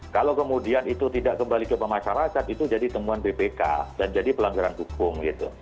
kalau kemudian itu tidak kembali kepada masyarakat itu jadi temuan bpk dan jadi pelanggaran hukum gitu